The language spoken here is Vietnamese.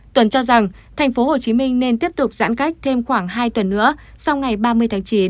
tuần cho rằng tp hcm nên tiếp tục giãn cách thêm khoảng hai tuần nữa sau ngày ba mươi tháng chín